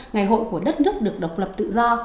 ngày hội của đất nước được độc lập tự do